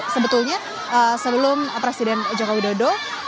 sebetulnya sebelum presiden joko widodo